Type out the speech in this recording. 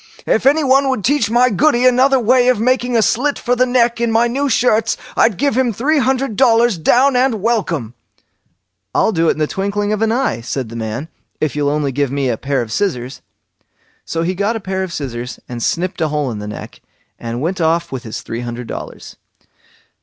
If anyone would teach my Goody another way of making a slit for the neck in my new shirts, I'd give him three hundred dollars down and welcome." "I'll do it in the twinkling of an eye", said the man, "if you'll only give me a pair of scissors." So he got a pair of scissors, and snipped a hole in the neck, and went off with his three hundred dollars.